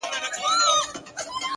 زغم د بریالیتوب پټ ځواک دی!